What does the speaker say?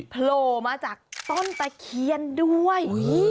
โผล่มาจากต้นตะเคียนด้วย